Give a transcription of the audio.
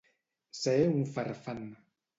Ser un farfant.